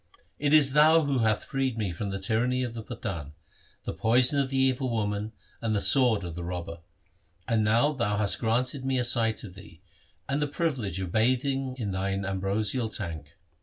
It is thou who hast freed me from the tyranny of the Pathan, the poison of the evil woman, and the sword of the robber; and now thou hast granted me a sight of thee, and the privilege of bathing in thine ambrosial tank.'